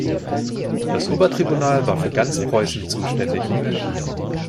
Das Obertribunal war für ganz Preußen zuständig.